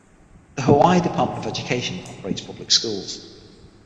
The Hawaii Department of Education operates public schools.